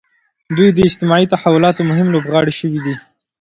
دوی د اجتماعي تحولاتو مهم لوبغاړي شوي دي.